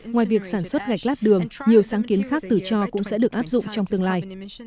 ngoài việc sản xuất gạch lát đường nhiều sáng kiến khác từ cho cũng sẽ được áp dụng trong tương lai